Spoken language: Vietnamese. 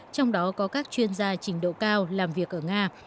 trong đó có các chuyên gia trình độ cao làm việc ở nga